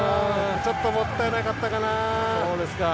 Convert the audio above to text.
ちょっともったいなかったかな。